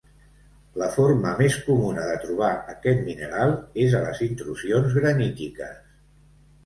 La forma més comuna de trobar aquest mineral és a les intrusions granítiques.